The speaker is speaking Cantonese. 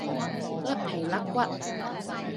甩皮甩骨